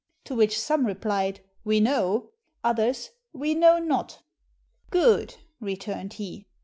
To which some replied, "We know"; others, "We know not." "Good!" returned he.